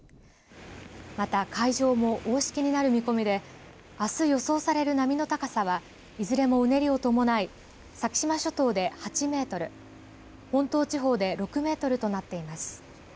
また海上も大しけになる見込みであす予想される波の高さはいずれも、うねりを伴い先島諸島で８メートル本島地方で６メートルとなっています。